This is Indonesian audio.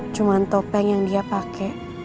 cuma topeng yang dia pakai